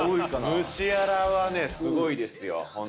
ムシアラはすごいですよ。